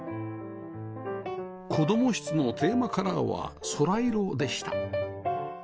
子供室のテーマカラーは空色でした